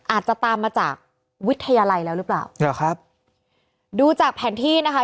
อาจจะตามมาจากวิทยาลัยแล้วหรือเปล่าหรอครับดูจากแผนที่นะคะ